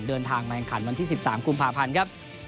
เดินทางมาแข่งขันวันที่๑๓กุมภาพันธ์ครับ